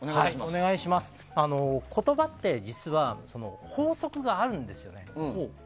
言葉って実は法則があるんですよね。